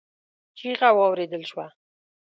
چيغه واورېدل شوه.